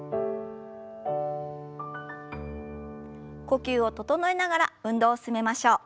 呼吸を整えながら運動を進めましょう。